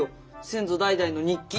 先祖代々の日記。